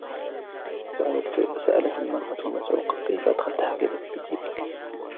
سألت المرأة مصعوقةً: " كيف أدخلت حقيبةً في جيبك ؟!".